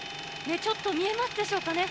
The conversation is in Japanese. ちょっと見えますでしょうか